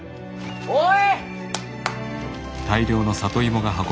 おい！